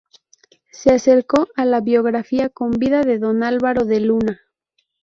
Se acercó a la biografía con "Vida de don Álvaro de Luna".